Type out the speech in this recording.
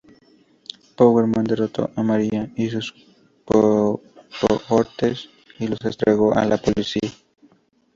Power Man derrotó a Mariah y sus cohortes y los entregó a la policía.